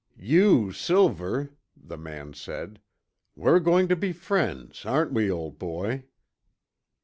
"You, Silver " the man said, " we're going to be friends, aren't we, old boy?"